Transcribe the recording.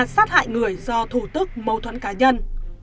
sát hại người do thủ tức mâu thuẫn cá nhân